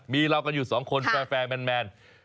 มีเรากันอยู่สองคนแฟร์แมน